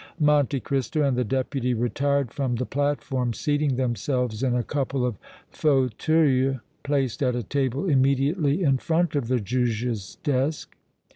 Monte Cristo and the Deputy retired from the platform, seating themselves in a couple of fauteuils placed at a table immediately in front of the Juge's desk.